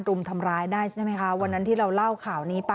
รุมทำร้ายได้ใช่ไหมคะวันนั้นที่เราเล่าข่าวนี้ไป